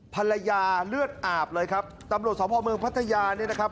ภรรยาเลือดอาบเลยครับตำรวจสมภาพเมืองพัทยาเนี่ยนะครับ